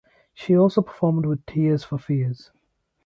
She also performed with Tears for Fears.